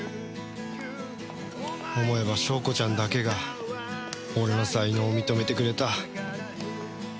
思えば祥子ちゃんだけが俺の才能を認めてくれた。